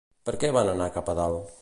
Per què va anar cap a dalt?